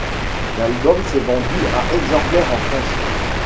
L'album s'est vendu à exemplaires en France.